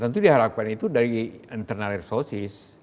tentu diharapkan itu dari internal resources